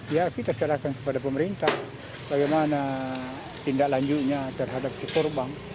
ya kita serahkan kepada pemerintah bagaimana tindak lanjutnya terhadap si korban